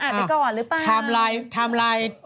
ทาร์มไลน์ทาร์มไลน์